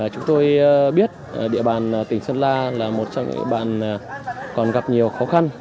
chúng tôi biết địa bàn tỉnh sơn la là một trong những bàn còn gặp nhiều khó khăn